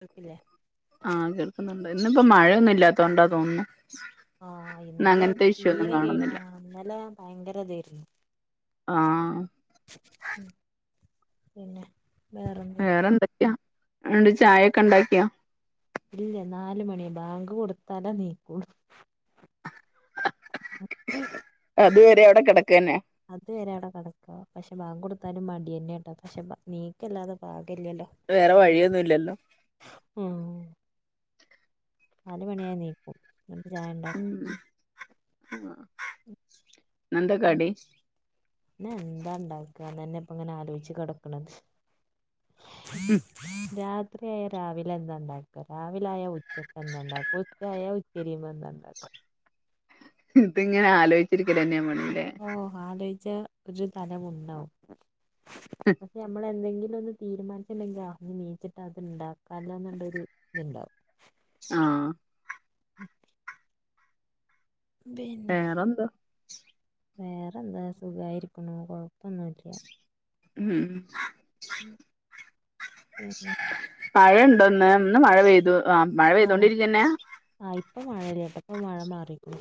കേക്കില്ലേ ആഹ കേൾക്കുന്നുണ്ട് ഇന്നിപ്പോ മഴയൊന്നും ഇല്ലാത്തോണ്ടാ തോന്നുന്നു ആഹ ഇന്ന് ഇന്നലെ അങ്ങനത്തെ ഇഷ്യൂ ഒന്നും തീരെ കേക്ക കാണുന്നില്ല ഇന്നലെ ഭയങ്കര ഇതായിരുന്നു ആഹ് പിന്നെ വേറെന്താ വേറെ എന്തൊക്കെയാ അടെ ചായ ഒക്കെ ഉണ്ടാക്കിയാ ഇല്ല നാല മണി ബാങ്ക് കൊടുത്താല നീക്കൂ അതുവരെ അവിടെ കിടക്കന്നെ അതവരെ അവിടെ കിടക്കപക്ഷെ ബാങ്ക് കൊടുത്താലും മടി ന്നെ കേട്ടോ പക്ഷെ നീക്കല്ലാതെ പാകില്ലല്ലോ വേറെ വഴിയൊന്നും ഇല്ലല്ലോ ഉം നാല് മണിയായി നീക്കും എന്നിട്ട് ചായ ഉണ്ടാക്കും ഉ ആ ഇന്നെന്ത കടി എന്താ ഉണ്ടാക്കുകന്നെ ഇപ്പ ഇങ്ങനെ ആലോചിച്ച് കിടക്കണത് രാ രാത്രിയായ രാവിലെ എന്താണ്ടാക്ക രാവിലായ ഉച്ചക്ക് എന്താ ഉണ്ടാക്ക ഉച്ചയായ ഉച്ചരിയുമ്പോ എന് ഉണ്ടാക്ക ഇത് ഇങ്ങനെ ആലോചിച്ചിരിക്ക തന്നെ നമ്മള് ഓ ആലോചിച്ച ഒരു തലപുണ്ണവും പക്ഷെ നമ്മള എന്തെങ്കിലും ഒന്ന് തീരുമാനിച്ചിട്ടുണ്ടെങ്കിൽ അ നീച്ചിട്ട് അത്ണ്ടാക്കില്ല എന്നുള്ളരു ഇതുണ്ടാവും ആഹ അ പിന്നെ വേറെന്താ വേറെന്താ സുഖയിരിക്കണു കൊഴപ്പൊന്നുംല്ല ഉം ഉം പിന്നെ മഴുണ്ടോ ഇന്ന് ഇന്ന് മഴ പെയ്തു ആ മഴ ആഹ് പെയ്തോണ്ടിരിക്കന്നെ ആഹ് ഇപ്പൊ മഴയില്ലട്ട ഇപ്പ മഴ മാറിക്കുന്നു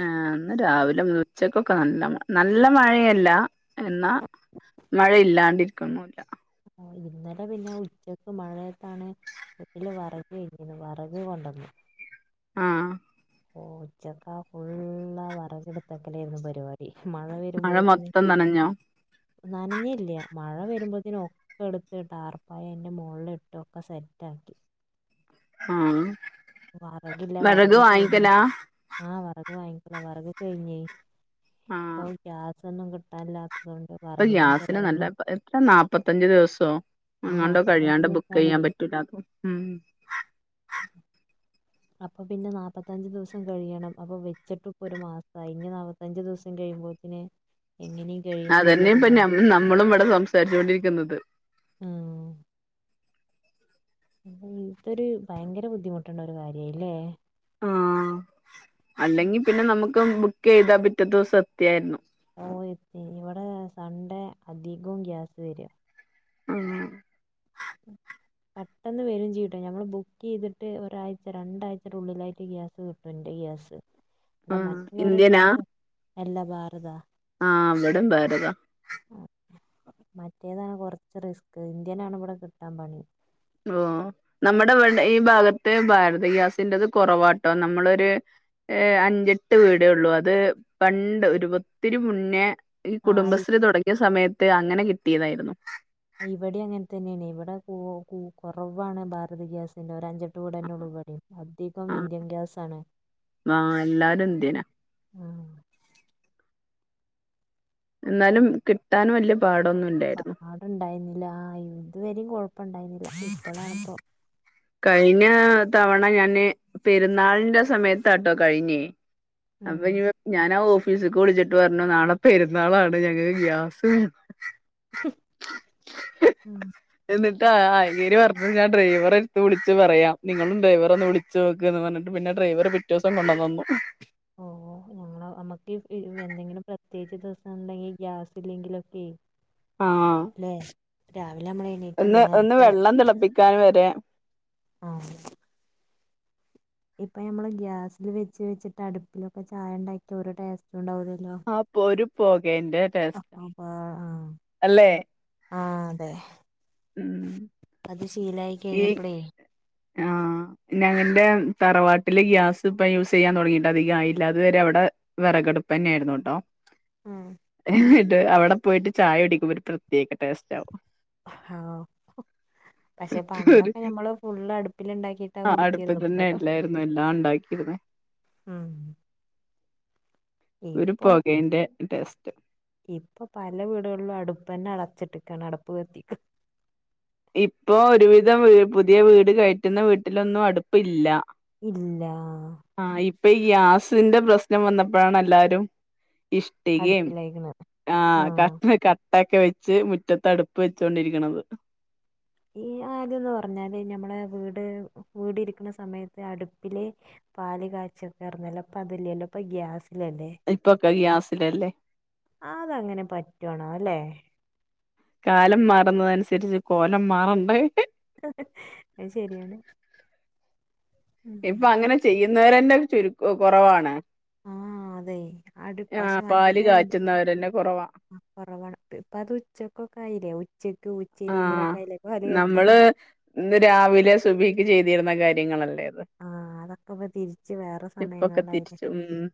ഏന്ന് രാവിലെ ഉച്ചക്കൊക്കെ നല്ല നല്ല മഴയല്ല എന്നാ മഴ ഇല്ലാണ്ടരിക്കുന്നുല്ല ഇന്നലെ പിന്നെ ഉച്ചക്ക് മഴയത്താണ് വട്ടില് വറക് കഴഞ്ഞ് രുന്ന് വറക് കൊണ്ടന്നു ആഹ ഓ ഉച്ചക്കാ ഫുള്ളാ വറക എടുത്തക്കലായിരുന്നു പരിപാടി മഴ വരുമ്പോഴത്തിന് മൊത്തം നനഞ്ഞോ നനഞ്ഞ ഇല്ല മഴ വരുമ്പോഴത്തിന് ഒക്കെഎടുത്ത്ട്ടാർപ്പായ അൻന്റെ മുകളിൽ ഇട്ടുംക്കെ സെറ്റ ആക്കി ആഹ വറകില്ല വരക കഴി ആഹ് വറക് വാങ്ങിക്കെല വറക് കഴിഞ്ഞേ ആഹ് ഗ്യാസൊന്നും കിട്ടാല്ലാത്തോണ്ട് ഇപ്പൊ ഗ്യാസിന് നല്ല എത്ര നാല്പ്പത്തഞ്ച് ദിവസോ ആഹ് അങ്ങാണ്ടോ നാപ്പത്തഞ്ച് കഴിയാണ്ട ദിവസാണേ ബുക്ക്യ്യാൻ പറ്റൂല ഉം അപ്പൊ പിന്നെ നാല്പ്പത്തഞ്ച് ദിവസം കഴിയണം അപ്പൊ വെച്ചിട്ടും ഇപ്പൊ ഒരു മാസയി അഞ്ച് ദിവസം കഴിയുമ്പോത്തിന് എങ്ങനെ അതെന്നെപ്പം നന്നമ്മളും വടെ സംസാരിച്ചൊണ്ടിരിക്കുന്നത് ഉം അഹ് ഇതൊരു ഭയങ്കര ബുദ്ധിമുട്ട് ഉള്ളൊരു കാര്യായില്ലേ ആഹ് അല്ലെങ്കിൽ പിന്നെ നമക്ക് ബുക്ക് ചെയ്താ പിറ്റത്തെ ദിവസം എത്തായിരുന്നു ഓ എ ഇവിടെ സൺണ്ടേ അധികവും ഗ്യാസ് വര്യാ ഉം ഉം പെട്ടെന്ന് വരും ചെയ്യുംട്ടോ ഞമ്മള് ബുക്ക് ചെയ്തിട്ട് ഒരാഴ്ച രണ്ടാഴ്ചയുടെ ഉള്ളിലായിട്ട് ഗ്യാസ് കിട്ടും എന്റെ ഗ്യാസ് അഹ് ആഹ് മറ്റുള്ളവരുടെ ഇന്ത്യനാ ഗ്യാസ് എല്ലാ വേറതാ ആഹ് അവിട ബെറത മറ്റേതാണ് കൊറച്ച് റിസ്ക് ഇന്ത്യനാണ് ഇവിടെ കിട്ടാൻ പണി ഓ നമ്മടെ വ ഈ ഭാഗത്ത് ഭാരത ഗ്യാസിന്റത് കൊറവാട്ടോ നമ്മളൊരു ഏഹ് അഞ്ചെട്ട് വീടൊള്ളൂ അത് പണ്ട് ഒത്തിരി മുന്നേ ഈ ആ കുടുംബശ്രീ തടങ്ങിയ സമയത്ത് അങ്ങനെ കിട്ടിയതായിരുന്നു ഇവിടെ അങ്ങൻ തന്നെണ് ഇവിടെ കൊറവാണ് ഭാരത ഗ്യാസ് [unintelligible] അഞ്ചെട്ട് വീടെന്നെള്ളുവിടം അധികം ആഹ് ഇന്ത്യൻ ഗ്യാസ് ആണ് ആഹ് എല്ലാരും ഇന്ത്യന ഉം എന്നാലും കിട്ടാൻ വലിയ പാടൊന്നും ഇല്ലായിരുന്നു ഉണ്ടായിരുന്നില്ല ആഹ് ഇതുവരെയും കുഴപ്പ ഇണ്ടായിരുന്നില്ല ഇപ്പളാണിപ്പം കഴിഞ്ഞ തവണ ഞാന് പെരുന്നാളിന്റെ സമയത്താട്ടോ കഴിഞ്ഞേ അപ്പൊഞ്ഞ് ഞാനാ ഓഫീസിക്ക് വിളിച്ചിട്ട് പറഞ്ഞു നാളെ പെരുന്നാളാണ് ഞങ്ങക്ക് ഗ്യാസ് വേ ഉം എന്നിട്ട് അങ്ങേര് പറഞ്ഞു ഞാൻ ഡ്രൈവർ വിളിച്ച് പറയാം നിങ്ങളും ഡ്രൈവറെ ഒന്ന് വിളിച്ചോക്ക് ന്ന് പറഞ്ഞിട്ട് പിന്നെ ഡ്രൈവറ് പിറ്റേ ദിവസം കൊണ്ടന്നന്നു ഓ ഓ ഞങ്ങ നമ്മുക്ക് എന്തെങ്കിലും പ്രത്യേകിച്ച് ദിവസം ഉണ്ടെങ്കിൽ ഗ്യാസ് ഇല്ലെങ്കിലൊക്കെ ആഹ് അല്ലെ രാവിലെ നമ്മള ഒന്ന് ഒന്ന് വെള്ളം തിളപ്പിക്കാൻ വരെ ആഹ് ഇപ്പൊ നമ്മള് ഗ്യാസിൽ വെച്ച് വെച്ചിട്ട് അടുപ്പിലൊക്കെ ചായണ്ടാക്കി ഓരുടേസ്റ്റ് ണ്ടാവതല്ലോ അപ്പൊ ഒരു പുകേന്റെ ടേസ്റ്റാ അപ്പപ്പാ ആഹ് അല്ലേ ആഹ് അതെ ഉം അത് ശീലായി ഈ കഴിഞ്ഞപ്പളേ ആഹ് ഞങ്ങന്റെ തറവാട്ടില് ഗ്യാസ് ഇപ്പ യൂസ് ചെയ്യാൻ തൊടങ്ങിട്ട് അധികായില്ല അതുവരെ അവിടെ വെറകടുപ്പന്നെയായിരുന്നു ട്ടോ അവിടെ പോയിട്ട് ചായ കുടിക്കുമ്പോ ഒരു പ്രത്യേക ടേസ്റ്റ് ആവും ആഹാ പക്ഷെ ഒരു പണ്ടൊക്കെ ഞമ്മള് ഫുള് അടുപ്പിൽ ഉണ്ടാക്കിട്ടാ ആഹ് കുടിച്ചിരുന്നു അടുപ്പത്ത് തന്നെ ഇപ്പത്ത അല്ലായിരുന്നു എല്ലാം ഉണ്ടാക്കിയിരുന്നെ ഉം ഒരു ഇപ്പൊ പോകേന്റെ ടേസ്റ്റ് ഇപ്പൊ പല വീടുകളിലും അടുപ്പ് തന്നെ അടച്ചിട്ടക്കാണ് അടുപ്പ് കത്തി ഇപ്പോ ഒര് വിധം പുതിയവീട് കയറ്റുന്ന വീട്ടിലൊന്നും അടുപ്പില്ല. ഇല്ലാ ആഹ് ഇപ്പൊ ഈ ഗ്യാസിന്റെ പ്രശ്നം വന്നപ്പഴാണ് എല്ലാരും ഇഷ്ട്ടികേം അടുപ്പിലായിക്കണ് ആഹ് കത്ത് ക ട്ടക്കെ വെച്ച് മുറ്റത്ത്ടുപ്പ് വെച്ചോണ്ടിരിക്കണത്. ഈ ആദ്യംന്ന് പറഞ്ഞാല് ഞമ്മള് വീട് വീടിരിക്കണ സമയത്ത് അടുപ്പില് പാല്കാച്ചാന്ന് പറഞ്ഞാല് അപ്പ അതില്ലല്ലോ ഇപ്പൊ ഗ്യാസിലല്ലേ. ഇപ്പൊക്കെ ഗ്യാസിലാല്ലേ ആതങ്ങനെ പറ്റാണോ അല്ലെ കാലംമാറുന്നത് അനുസരിച്ച് കോലം മാറണ്ടേ അത് ശരിയാണ്. ഉം. ഇപ്പൊ അങ്ങനെ ചെയ്യുന്നവരന്നേ ചുര് കൊറവാണ്. ആഹ് അതെ അട് പശെ പാല് മറ്റേത് അടു കാച്ചുന്നവരന്നെ കുറവാ ആഹ് കൊറവാണ് ഇപ്പത് ഉച്ചക്കൊക്ക ആയില്ലേ ഉച്ചക്ക് ആഹ് ഉച്ചരിയുമ്പോഴൊക്കെ ആയില്ലേ പാല് കാച്ചില് നമ്മള് ഇന്ന് രാവിലെ സുഭിക്ക് ചെയ്തിരുന്ന കാര്യങ്ങളല്ലേ അത് ആഹ് അതൊക്കെപ്പ തിരിച്ച് വേറെ ഇപ്പൊക്കെ സമയങ്ങളിലായിലേ. തിരിച്ചു ഉം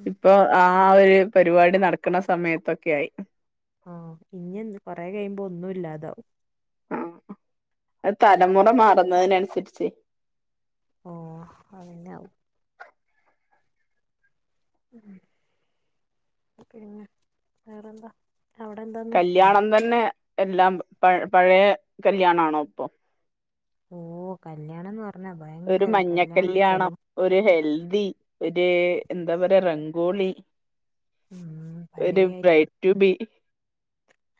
ഉം. ഇപ്പൊ ആഹ് ഒര് പരിപാടി നടക്ക്ണേ സമയത്തൊക്കെ ആയി ആഹ് ഇനിയെന്ത്‌ കൊറെ കയിമ്പോ ഒന്നും ഇല്ലാതാവും. ആഹ് അത് തലമുറ മാറുന്നതിനനുസരിച്ച് ഓഹ് അതെന്നാവും. പിന്നെ വേറെന്താ അവിടെന്താ കല്യാണംതെന്നെ എല്ലാം പ പഴയ കല്ല്യാണാണോ ഇപ്പൊ? ഓഹ് കല്യാണംന്ന് പറഞ്ഞാ ഭയങ്കര കല്യാണം ചെലവ് ഒര് ഹെൽദി ഒര് എന്താ പറയാ റംഗോളി ഉം പലേ ഒര് ബ്രെയിഡ് ടു ബി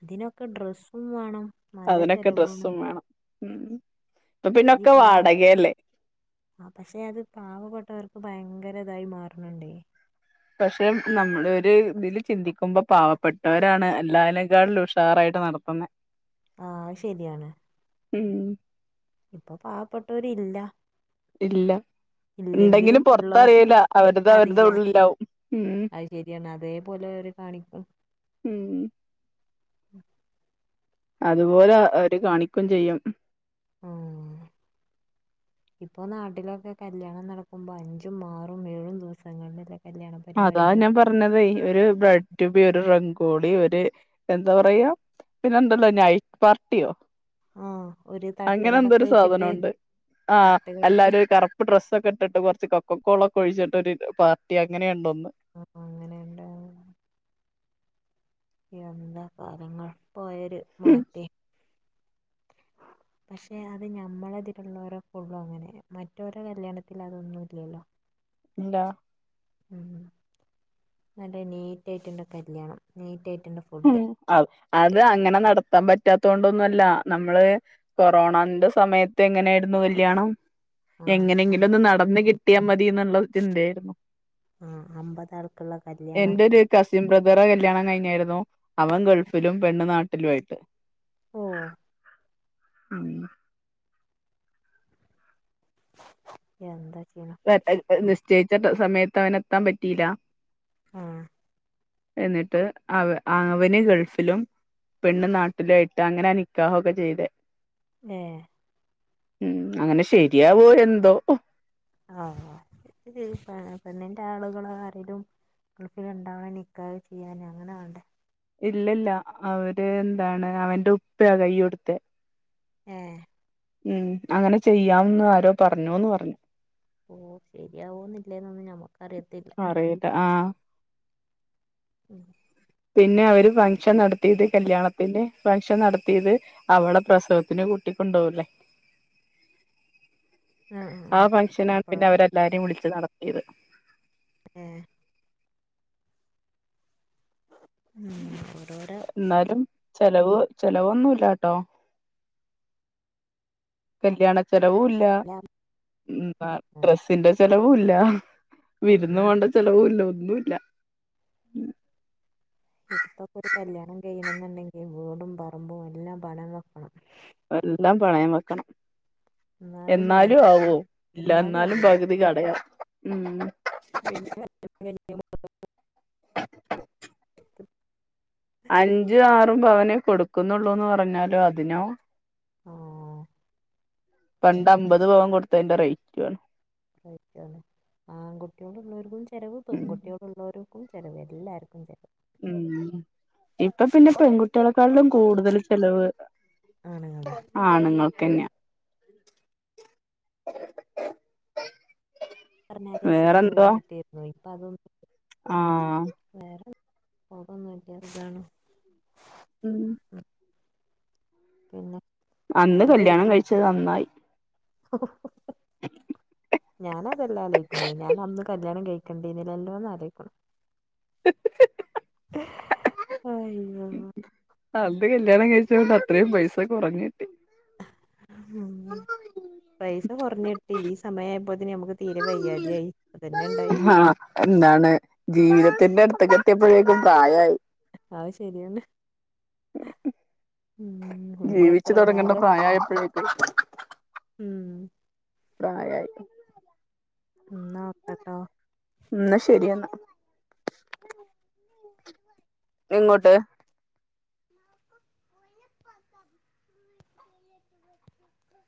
തിനൊക്കെ ഡ്രസ്സും വാണം. അതിനൊക്കെ ഡ്രസ്സും വേണം ഉം ഇപ്പൊ പിന്നൊക്കെ വാടകയല്ലേ ആഹ് പക്ഷെ അത് പാവപ്പെട്ടവർക്ക് ഭയങ്കര ഇതായി മാറ്ണണ്ടേയ് പക്ഷെ നമ്മള് ഒര് ഇതില് ചിന്തിക്കുമ്പോ പാവപ്പെട്ടവരാണ് എല്ലാലേക്കാടും ഉഷാറായിട്ട് നടത്തുന്നേ. ആഹ് ശെരിയാണ് ഉം ഇപ്പൊ പാവപ്പെട്ടവരില്ല ഇല്ല ഇണ്ടെങ്കിലും ഇല്ലെങ്കിലും ഉള്ളവർ പൊർത്തറില അവര്ത് അവരുടെ അറിയില്ല ഉള്ളില് ഇണ്ടാവും. അത് ശരിയാണ് അതേപോലെ അവര് കാണിക്കും ഉം അതുപോലെ അവര് കാണിക്കും ചെയ്യും. ആഹ് ഇപ്പോ നാട്ടിലൊക്കെ കല്യാണം നടക്കുമ്പോൾ അഞ്ചും, ആറും, ഏഴും ദിവസങ്ങളിലല്ലേ കല്യാണ അതാ പരിപാടികള് ഞാൻ പറഞ്ഞതെയ് ഒര് ബ്രയ്ഡ് റ്റു ബി ഒര് റങ്കോളി ഒര് എന്താ പറയാ പിന്നെണ്ടല്ലോ നൈറ്റ്പാർട്ടിയോ ആ ഒരു തട്ടുകടൊക്കെ അങ്ങനെന്തോരു വെച്ചിട്ട് സാധനോണ്ട് ആഹ് തട്ടുകടൊക്കെ വെച്ച് എല്ലാരും കർ പ്പ് ഡ്രസ്സൊക്കെ ഇട്ട്ട്ട് കൊർച്ച് കൊക്കോളൊക്കെ ഒഴിച്ചിട്ട് ഒര് പാർട്ടി അങ്ങനെയുണ്ട് ഒന്ന്. അഹ് അഹ് എന്താ കാലങ്ങൾ പോയര് മാറ്റേ പക്ഷേ അത് ഞമ്മളെ ഇതിലുള്ളോരൊക്കെ ഒള്ളു അങ്ങനെ മറ്റോരൊ കല്യാണത്തില് അതൊന്നും ഇല്ലല്ലോ. ഇന്റാ ഉം നല്ല നീറ്റ് ആയിട്ടുണ്ട് കല്യാണം നീറ്റ് ആയിട്ടുണ്ട് ഉം അ അത് അങ്ങനെ നടത്താൻ പറ്റാത്ത കൊണ്ടൊന്നും അല്ല നമ്മള് കൊറോണന്റെ സമയത്ത് എങ്ങനേയ്ര്ന്നു കല്യാണം ആ അം- എങ്ങെനെങ്കിലൊന്ന് നടന്ന് കിട്ടിയാ മതി ന്ന്ള്ള ചിന്തയേയ്ര്ന്നു ആഹ് അമ്പതാൾക്ക്ള്ള കല്യാണം എന്റെ ഒരു കസിൻ ബ്രദെറെ കല്യാണം കഴിഞ്ഞായ്ര്ന്നു അവൻ ഗൾഫിലും പെണ്ണ് നാട്ടിലു ആയിട്ട് ഓഹ് ഉം എന്താ ചെയ്യാ [unintelligible] നിശ്ചയ്ച്ച സമയത്ത് അവനെത്താൻ പറ്റീലാ ആഹ് എന്നിട്ട് അവ അവന് ഗൾഫിലും പെണ്ണ് നാട്ടിലു അയിട്ട് അങ്ങനാ നിക്കാഹാെക്കെ ചെയ്തെ ഏഹ് ഉം അങ്ങനെ ശെര്യാവോ എന്തോ ആഹ് പെ പെണ്ണിന്റെ ആളുകള് ആരേലും ഗൾഫിൽ ണ്ടാവണം നിക്കാഹ് ചെയ്യാൻ അങ്ങനെ വാണ്ടേ ഇല്ലില്ല അവര് ന്താണ് അവന്റെ ഉപ്പയാ കൈയ്യൊട്ത്തെ ഏഹ് ഉം അങ്ങനെ ചെയ്യാംന്ന് ആരോ പർഞ്ഞൂന്ന് പർഞ്ഞു ഓഹ് ശെര്യാവാേന്നില്ലേന്നൊന്നും ഞമ്മക്കറിയത്തില്ല അറിയില്ല ആഹ് ഉം പിന്നെ അവര് ഫംഗ്ഷൻ നടത്തിയത് കല്യാണത്തിന്റെ ഫംഗ്ഷൻ നടത്തിയത് അവളെ പ്രസവത്തിന് കൂട്ടിക്കൊണ്ടാേവുലേ ആ ഫംഗ്ഷനാണ് അപ്പോഴോ പിന്നെ അവരെല്ലാരെം വിളിച്ച് നടത്തിയെത് ഏഹ് ഉം ഓരോര ന്നാലും ചെലവ് ചെലവൊന്നൂലാട്ടോ കല്യാണ ചെലവൂല്ല എല്ലാം ഉം ബാ ഉം, ഡ്രസിന്റെ ചെലവൂല്ല വിരുന്ന് പോവെണ്ട ഒന്നുമില്ല ചെലവൂല്ല ഒന്നുല്ല ഇപ്പോപ്പൊര് കല്യാണം കഴിയണംന്ന്ണ്ടെങ്കി വീടും പറമ്പും എല്ലാം പണയം വെക്കണം എല്ലാം പണയം വെക്കണം എന്നാലേ നട എന്നാലും ആവോ ഇല്ല എന്നാലും പകുതി കടെയാ ഉം [unintelligible] അഞ്ചും ആറും പവനേ കൊടുക്കുന്നുള്ളൂന്ന് പറഞ്ഞാലോ അതിനോ ആഹ് പണ്ട് അമ്പത് പവൻ കൊട്ത്തേന്റെ റെയ്റ്റു ആണ് റെയ്റ്റു ആണ് ആങ്കുട്ട്യോളുള്ളോര്ക്കും ചെലെവ് ഉം പെങ്കുട്ട്യോള് ള്ളോരും ര്ക്കും ചെലെവ് എല്ലാർക്കും ചെലെവ് ഉം ഇപ്പൊ പിന്നെ പെങ്കുട്ട്യാളെകാട്ടിലും കൂടുതല് ചെലെവ് ആണ്ങ്ങളാ ആണ്ങ്ങൾക്കെന്ന്യാ പറഞ്ഞാല് [unintelligible] മേടിച്ചിട്ടേയ്ര്ന്നു ഇപ്പൊ അതൊ ആഹ് വേറെ വേറൊന്നുല്ല സുഖാണ് ഉം പിന്നെ അന്ന് കല്യാണം കഴിച്ചത് നന്നായി ഓഹോ ഹ ഹ ഹ ഞാനതല്ല ആലോയ്ക്ക്ണേ ഞാൻ അന്ന് കല്യാണം കഴിക്കേണ്ടീനിനെല്ലോന്നാ ആലോയ്ക്ക്ണ് അയ്യോ അന്ന് കല്യാണം കഴിച്ചോണ്ട് അത്രെയും പൈസ കുറഞ്ഞ് കിട്ടി ഉം പൈസ കുറഞ്ഞിട്ട് ഈ സമയായപ്പോത്തിന് നമുക്ക് തീരെ വയ്യാതിയായി ആഹ് എന്താണ് ജീവിതത്തിന്റെ അടുത്തേ കെത്തിയപ്പോഴേക്കും പ്രായമായി അത് ശരിയാണ് ഉം ഇനി ജീവിച്ചു എത്ര തുടങ്ങണ്ട കാലം പ്രായം ആയപ്പോഴേക്കും ഉം പ്രായയി എന്നാ ഓക്കെട്ടോ എന്നാ ശരിയെന്നാ എങ്ങോട്ട്